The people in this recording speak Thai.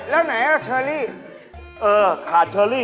ทำไงอ่ะแล้วไหน๙๑เชอร์ลี่